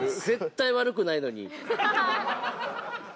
絶対悪くないのに。